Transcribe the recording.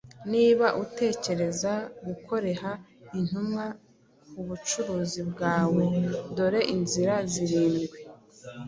Niba utekereza gukoreha Intumwa kubucuruzi bwawe, dore inzira zirindwi